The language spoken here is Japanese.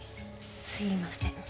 すみません。